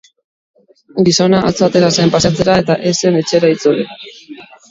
Gizona atzo atera zen paseatzera eta ez zen etxera itzuli.